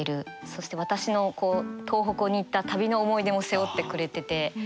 そして私の東北に行った旅の思い出も背負ってくれてて。